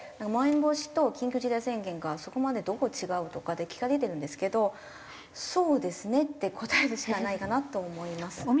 まん延防止と緊急事態宣言がそこまでどう違う？とかって聞かれるんですけどそうですねって答えるしかないかなと思います。